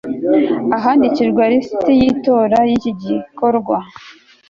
ahandikirwa lisiti y itora y iki gikorwa